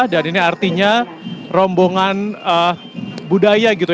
dan ini artinya rombongan budaya gitu ya